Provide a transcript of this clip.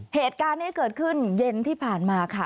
เหตุการณ์นี้เกิดขึ้นเย็นที่ผ่านมาค่ะ